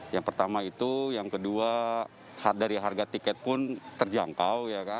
yang pertama itu yang kedua dari harga tiket pun terjangkau